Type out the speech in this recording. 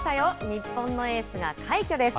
日本のエースが快挙です。